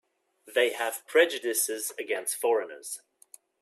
They have prejudices against foreigners.